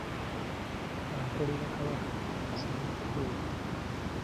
Akolera Kabaka asaana kukeera.